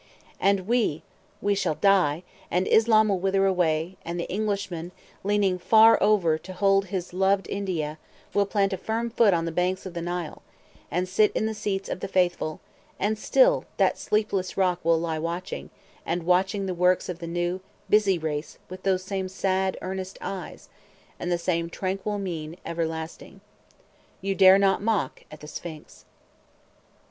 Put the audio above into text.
And we, we shall die, and Islam will wither away, and the Englishman, leaning far over to hold his loved India, will plant a firm foot on the banks of the Nile, and sit in the seats of the Faithful, and still that sleepless rock will lie watching, and watching the works of the new, busy race with those same sad, earnest eyes, and the same tranquil mien everlasting. You dare not mock at the Sphinx.